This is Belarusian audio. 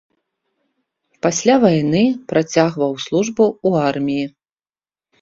Пасля вайны працягваў службу ў арміі.